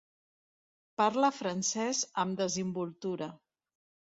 Parla francès amb desimboltura.